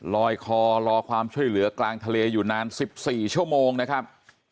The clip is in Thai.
ลอยคอรอความช่วยเหลือกลางทะเลอยู่นาน๑๔ชั่วโมงนะครับ